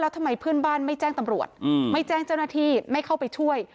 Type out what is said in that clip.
ทำไมเพื่อนบ้านไม่แจ้งตำรวจไม่แจ้งเจ้าหน้าที่ไม่เข้าไปช่วย